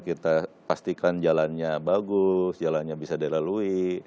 kita pastikan jalannya bagus jalannya bisa dilalui